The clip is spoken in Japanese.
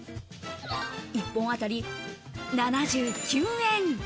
１本あたり７９円。